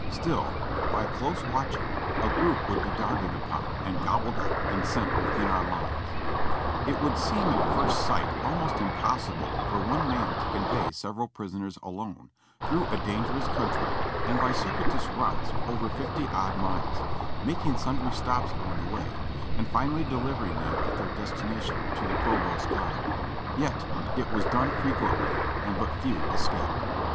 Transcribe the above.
Still, by close watching a group would be darted upon and gob bled up and sent within our lines. It would seem at first sight almost impossible for one man to convey several prisoners alone through a dangerous country and by circuitous routes over fifty odd miles, making sundry stops on the way, and finally delivering them at their destination to the provost guard ; yet it was done frequently, and but few escaped.